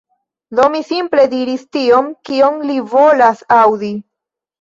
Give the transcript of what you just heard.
Do mi simple diris tion, kion li volas aŭdi.